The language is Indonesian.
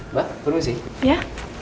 mbak permisi ya